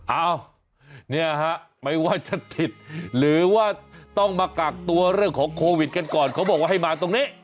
อ้าวเนี่ยฮะไม่ว่าจะติดหรือว่าต้องมากักตัวเรื่องของโควิดกันก่อนเขาบอกว่าให้มาตรงนี้